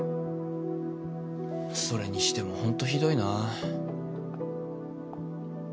それにしてもホントひどいな。